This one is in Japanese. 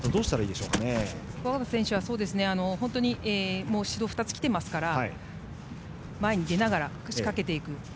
桑形選手は指導が２つきていますから前に出ながら技をかけていく。